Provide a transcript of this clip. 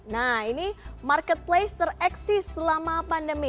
nah ini marketplace tereksis selama pandemi